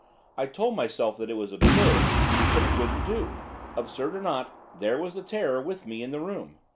I told myself that it was absurd, but it wouldn't do; absurd or not, there was the terror with me in the room.